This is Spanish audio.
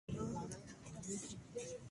Han de ser pesada y han de ser porosas.